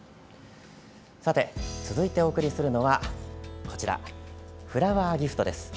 さて続いてお送りするのはこちら、フラワーギフトです。